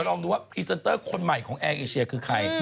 ลองดูว่าพรีเซนเตอร์คนใหม่ของแอร์เอเชียคือใคร